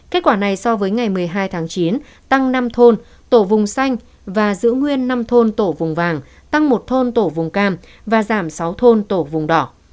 kết quả này so với ngày một mươi hai tháng chín tăng năm thôn tổ vùng xanh và giữ nguyên năm thôn tổ vùng vàng tăng một thôn tổ vùng cam và giảm sáu thôn tổ vùng đỏ